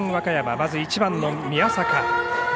まず１番の宮坂。